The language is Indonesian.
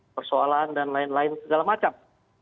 persoalan dan lain lain segala macam